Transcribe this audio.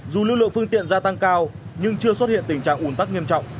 dù lưu lượng phương tiện gia tăng cao nhưng chưa xuất hiện tình trạng ủn tắc nghiêm trọng